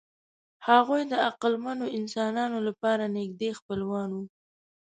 هغوی د عقلمنو انسانانو لپاره نږدې خپلوان وو.